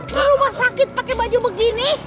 kalau rumah sakit pakai baju begini